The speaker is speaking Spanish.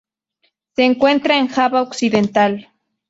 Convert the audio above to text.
Se encuentra en Java Occidental.